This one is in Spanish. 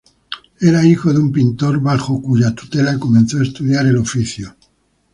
Era hijo de un pintor bajo cuya tutela comenzó a estudiar el oficio.